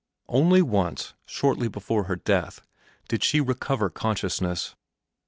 Once only, shortly before her death, did she recover consciousness.